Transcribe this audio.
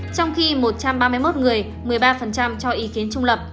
trong khi một trăm ba mươi một người một mươi ba cho ý kiến trung lập